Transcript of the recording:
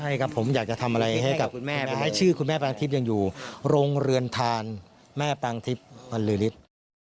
ใช่ครับผมอยากจะทำอะไรให้ชื่อคุณแม่ปรังทิพย์อยู่หรือริฐ